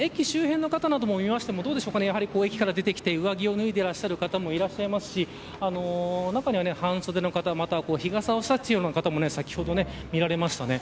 駅周辺の方などを見ますと駅から出てきて上着を脱いでいる方もいらっしゃいますし中には半袖の方日傘を差すような方も先ほど見られました。